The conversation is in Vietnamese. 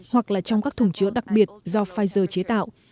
hoặc là trong các thùng chứa đặc biệt do pfizer chế tạo